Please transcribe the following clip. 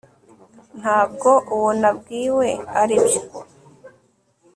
ntabwo uwo nabwiwe aribyo